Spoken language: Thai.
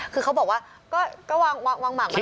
คือเขาบอกว่าก็วางหมักมาแล้วเนี่ย